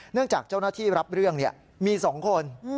เนื่องจากเจ้าหน้าที่รับเรื่องเนี่ยมีสองคน